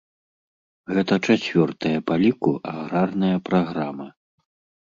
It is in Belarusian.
Гэта чацвёртая па ліку аграрная праграма.